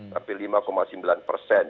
hampir lima sembilan persen